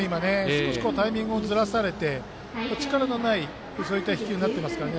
少しタイミングをずらされて力のない、そういった飛球になってますからね。